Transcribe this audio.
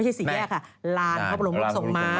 จับแรง